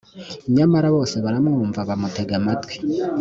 nyamara bose baramvuma bamutega amatwi